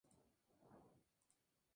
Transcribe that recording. Siguieron viviendo en Chicago.